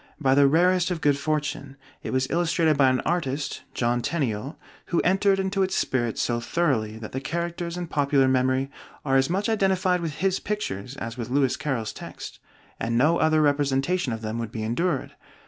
By the rarest of good fortune, it was illustrated by an artist (John Tenniel) who entered into its spirit so thoroughly that the characters in popular memory are as much identified with his pictures as with Lewis Carroll's text, and no other representation of them would be endured.